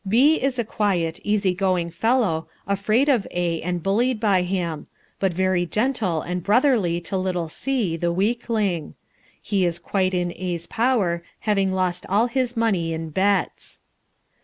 B is a quiet, easy going fellow, afraid of A and bullied by him, but very gentle and brotherly to little C, the weakling. He is quite in A's power, having lost all his money in bets.